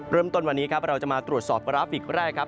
เริ่มต้นวันนี้ครับเราจะมาตรวจสอบกราฟิกแรกครับ